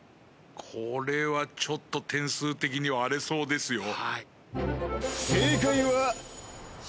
これはちょっと点数的に割れそうですよ。